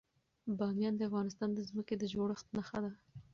بامیان د افغانستان د ځمکې د جوړښت نښه ده.